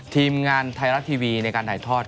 ทีมงานไทยรัฐทีวีในการถ่ายทอด